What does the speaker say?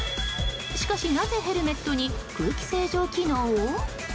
しかし、なぜヘルメットに空気清浄機能を？